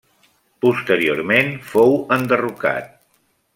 Posteriorment fou enderrocat.